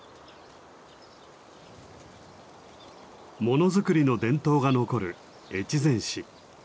ものづくりの伝統が残る越前市。